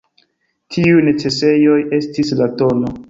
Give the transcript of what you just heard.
Tiuj necesejoj estis la tn.